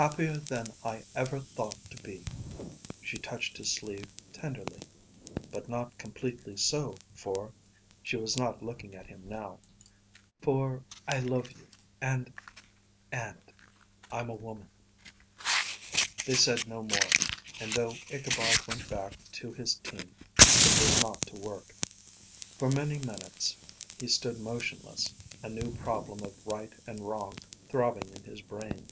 "Happier than I ever thought to be." She touched his sleeve tenderly. "But not completely so, for " she was not looking at him now, "for I love you, and and I'm a woman." They said no more; and though Ichabod went back to his team, it was not to work. For many minutes he stood motionless, a new problem of right and wrong throbbing in his brain.